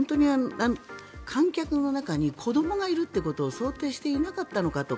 観客の中に子どもがいるっていうことを想定していなかったのかと。